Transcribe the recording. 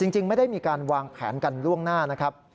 จริงไม่ได้มีการวางแผนกันล่วงหน้านะครับ